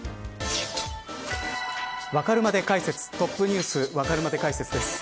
わかるまで解説ＴｏｐＮｅｗｓわかるまで解説です。